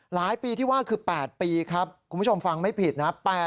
หลายปีที่ว่าคือ๘ปีครับคุณผู้ชมฟังไม่ผิดนะ